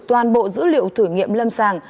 toàn bộ dữ liệu thử nghiệm lâm sàng